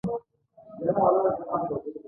د ملا شیر محمد نور آثار معلوم دي.